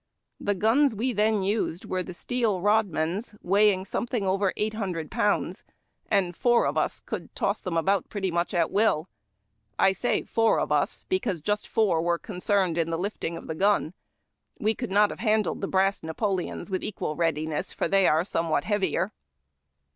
The guns we tlien used were the steel Rodmans, weighing something over eight hundred pounds, and four of us could toss them about pretty much at will. I say four of us, because just four were concerned in the liftins" of the sun. We could not have handled the brass Napoleons with equal readiness, for they are somewhat heavier.